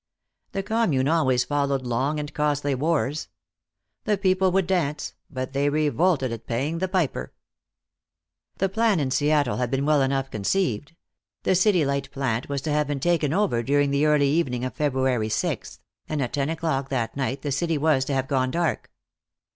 The commune always followed long and costly wars. The people would dance, but they revolted at paying the piper. The plan in Seattle had been well enough conceived; the city light plant was to have been taken over during the early evening of February 6, and at ten o'clock that night the city was to have gone dark.